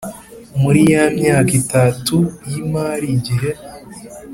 Muri ya myaka itatu y imari igihe